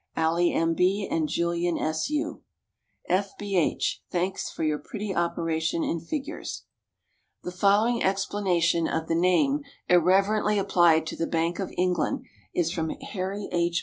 Alie M. B., and Julien S. U. F. B. H. Thanks for your pretty operation in figures. The following explanation of the name irreverently applied to the Bank of England is from Harry H.